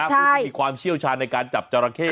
มีความเชี่ยวชาญในการจับจราเข้นี้นะ